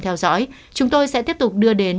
theo dõi chúng tôi sẽ tiếp tục đưa đến